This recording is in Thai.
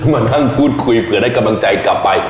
มานั่งพูดคุยเผื่อได้กำลังใจกลับไป